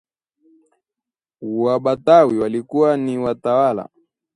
Wabatawi walikuwa ni watawala